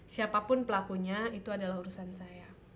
siapapun pelakunya itu adalah urusan saya